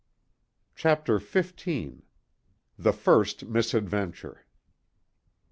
CHAPTER XV THE FIRST MISADVENTURE.